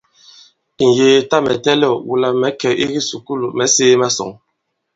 Ǹyēē, tâ mɛ̀ tɛlɛ̂w, wula mɛ̌ kɛ̀ i kisùkulù, mɛ̌ sēē masɔ̌ŋ.